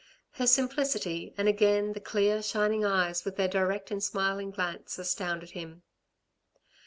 Her simplicity, and again the clear, shining eyes with their direct and smiling glance astounded him.